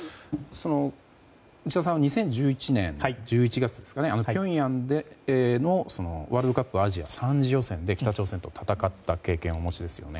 内田さんは２０１１年１１月ピョンヤンでのワールドカップアジア３次予選で北朝鮮と戦った経験をお持ちですよね。